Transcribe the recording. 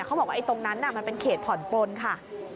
เขาบอกว่าตรงนั้นมันเป็นเขตผ่อนปลนค่ะ